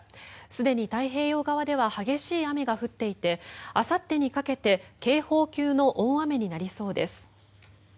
すでに太平洋側では激しい雨が降っていてあさってにかけて警報級の大雨になりそうです。